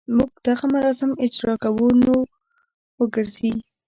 موږ دغه مراسم اجراء کوو نو وګرځي.